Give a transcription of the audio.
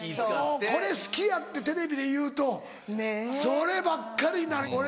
これ好きやってテレビで言うとそればっかりになる。